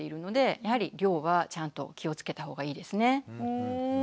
やはり量はちゃんと気をつけた方がいいですね。